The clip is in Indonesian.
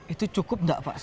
itu cukup enggak pak